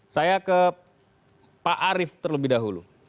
saya ke pak arief terlebih dahulu